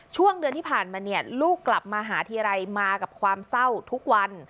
ช่วงเดือนที่ผ่านมาเนี่ยลูกกลับมาหาทีไรมากับความเศร้าทุกวัน